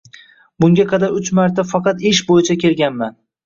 Bunga qadar uch marta faqat ish boʻyicha kelganman.